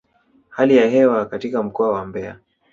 Hali ya hewa katika mkoa wa Mbeya